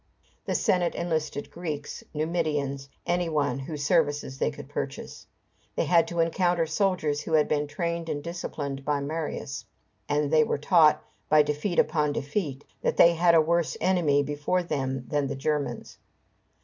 The Senate enlisted Greeks, Numidians, any one whose services they could purchase. They had to encounter soldiers who had been trained and disciplined by Marius, and they were taught, by defeat upon defeat, that they had a worse enemy before them than the Germans.